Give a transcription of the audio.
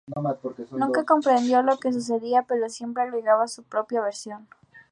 Nunca comprendió lo que sucedía, pero siempre agregaba su propia versión".